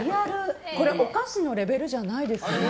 これお菓子のレベルじゃないです。